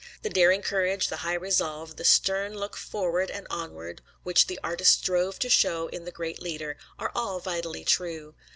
The daring courage, the high resolve, the stern look forward and onward, which the artist strove to show in the great leader, are all vitally true.